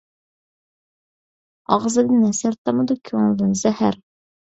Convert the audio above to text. ئاغزىدىن ھەسەل تامىدۇ، كۆڭلىدىن زەھەر.